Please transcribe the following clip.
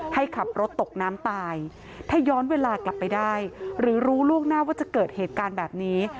ให้ขับรถตกน้ำตายถ้าย้อนเวลากลับไปได้หรือรู้ล่วงหน้าว่าจะเกิดเหตุการณ์แบบนี้